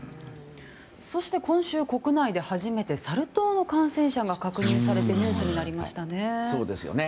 そして、今週国内で初めてサル痘の感染者が確認されてニュースになりましたね。